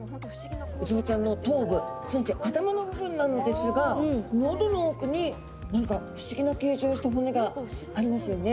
ウツボちゃんの頭部すなわち頭の部分なのですがのどの奥に何か不思議な形状をした骨がありますよね。